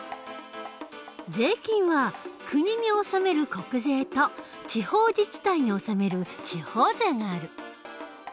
税金は国に納める国税と地方自治体に納める地方税がある。